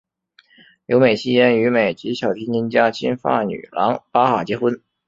留美期间与美籍小提琴家金发女郎巴哈结婚。